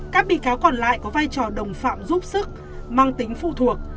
các bị cáo còn lại có vai trò đồng phạm giúp sức mang tính phụ thuộc